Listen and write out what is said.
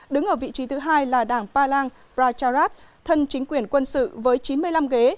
đứng ở vị trí thứ hai là đảng palang pracharat thân chính quyền quân sự với chín mươi năm ghế